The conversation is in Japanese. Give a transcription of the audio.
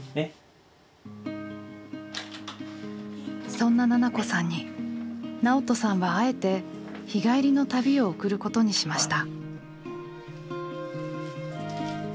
そんな奈々子さんに直人さんはあえて日帰りの旅を贈ることにしました。